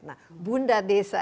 nah bunda desa ini